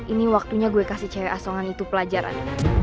ini waktunya gue kasih cewek asongan itu pelajaran